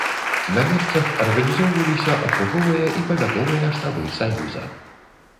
На месцах арганізоўваліся акруговыя і павятовыя штабы саюза.